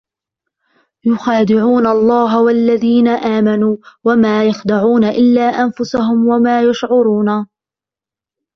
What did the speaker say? يُخَادِعُونَ اللَّهَ وَالَّذِينَ آمَنُوا وَمَا يَخْدَعُونَ إِلَّا أَنْفُسَهُمْ وَمَا يَشْعُرُونَ